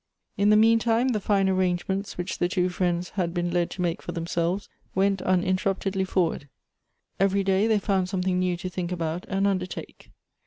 In the mean time the fine arrangements whicli the two friends had been led to make for themselves, went unin terruptedly forward. Every day they found something new to think about and undertake.